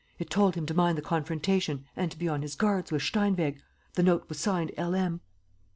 It told him to mind the confrontation and to be on his guard with Steinweg. The note was signed 'L. M.'"